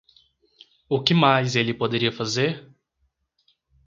O que mais ele poderia fazer?